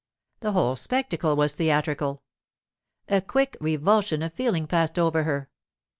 The whole spectacle was theatrical. A quick revulsion of feeling passed over her.